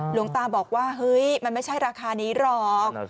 หลวงตาบอกว่าเฮ้ยมันไม่ใช่ราคานี้หรอก